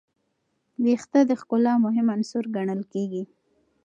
ویښتې د ښکلا مهم عنصر ګڼل کېږي.